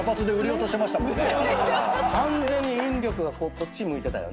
完全に引力がこっち向いてたよね。